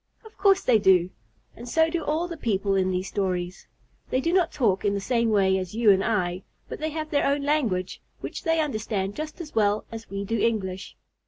Of course they do. And so do all the people in these stories. They do not talk in the same way as you and I, but they have their own language, which they understand just as well as we do English.